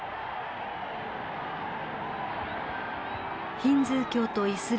ヒンズー教とイスラム教。